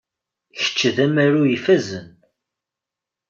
Kečč d amaru ifazen.